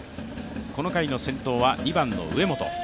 この回の先頭は２番の上本。